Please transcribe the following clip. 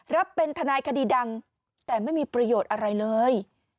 รับเป็นทนายคดีดังแต่ไม่มีประโยชน์อะไรเลย